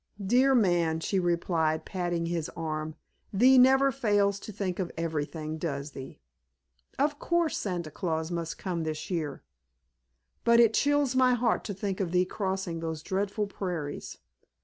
"Dear man," she replied, patting his arm, "thee never fails to think of everything, does thee? Of course Santa Claus must come this year. But it chills my heart to think of thee crossing those dreadful prairies.